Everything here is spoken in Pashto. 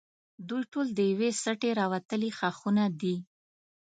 دوی ټول د یوې سټې راوتلي ښاخونه دي.